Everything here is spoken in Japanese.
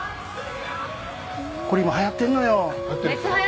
これ今、はやってんのよ。